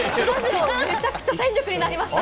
めちゃくちゃ戦力になりました。